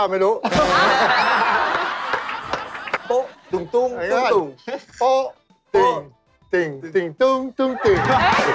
เอาแล้ว